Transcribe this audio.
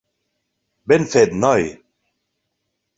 Ben fet, noi!